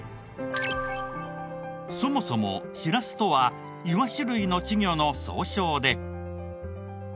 そもそもしらすとはイワシ類の稚魚の総称で。